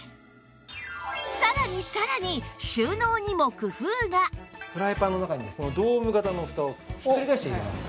さらにさらにフライパンの中にこのドーム型のふたをひっくり返して入れます。